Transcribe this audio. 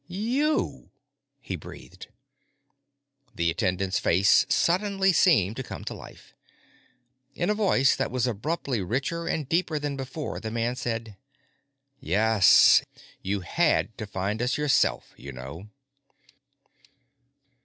"You!" he breathed. The attendant's face suddenly seemed to come to life. In a voice that was abruptly richer and deeper than before, the man said: "Yes. You had to find us yourself, you know."